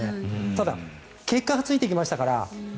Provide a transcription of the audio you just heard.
ただ結果がついてきましたから。